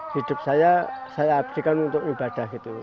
hidup saya saya abdikan untuk ibadah gitu